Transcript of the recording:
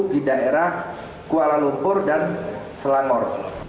di daerah kuala lumpur dan selangor